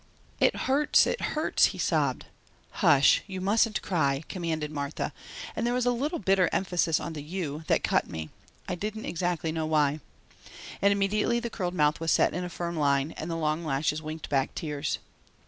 "It hurts. It hurts!" he sobbed. "Hush, you mustn't cry!" commanded Martha, and there was a little bitter emphasis on the "you" that cut me, I didn't exactly know why. And immediately the curled mouth was set in a firm line and the long lashes winked back tears.